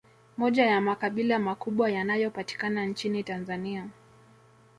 Moja ya makabila makubwa yanayo patikana nchini Tanzania